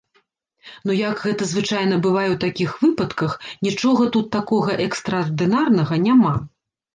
Ну, як гэта звычайна бывае ў такіх выпадках, нічога тут такога экстраардынарнага няма.